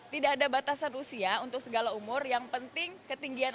tidak ada batasan usia untuk segala umur yang penting ketinggian